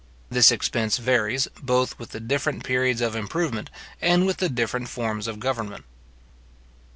This expense varies, both with the different periods of improvement, and with the different forms of government.